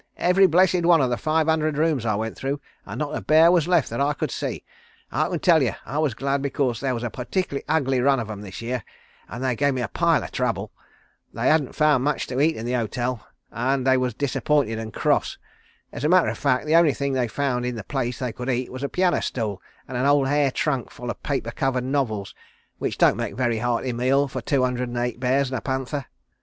Every blessed one of the five hundred rooms I went through, and not a bear was left that I could see. I can tell you, I was glad, because there was a partickerly ugly run of 'em this year, an' they gave me a pile o' trouble. They hadn't found much to eat in the hotel, an' they was disappointed and cross. As a matter of fact, the only things they found in the place they could eat was a piano stool and an old hair trunk full o' paper covered novels, which don't make a very hearty meal for two hundred and eight bears and a panther."